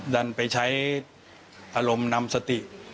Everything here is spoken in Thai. ดันไปใช้อารมณ์นำสติ